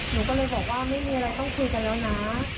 หนูก็เลยบอกว่าไม่มีอะไรต้องคุยกันแล้วนะ